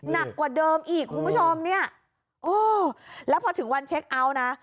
หนักกว่าเดิมอีกคุณผู้ชมเนี่ยโอ้แล้วพอถึงวันเช็คเอาท์นะ